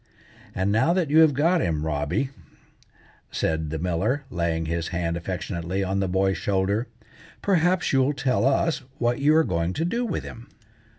"And now that you have got him, Robby," said the miller, laying his hand affectionately on the boy's shoulder. "perhaps you'll tell us what you are going to do with him."